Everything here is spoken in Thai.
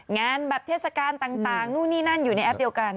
งานบัตรเทศการต่างโน๊ตนี้นั่นอยู่ในแอปเดียวกัน